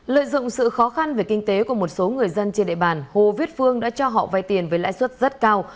lợi dụng sự khó khăn về kinh tế của một số người dân trên địa bàn hồ viết phương đã cho họ vay tiền với lãi suất rất cao